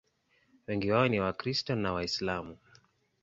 Wengi wao ni Wakristo na Waislamu.